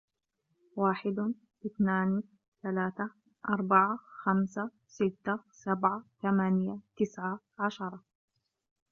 واحد، اثنان، ثلاثة، أربعة، خمسة، ستة، سبعة، ثمانية، تسعة، عشرة.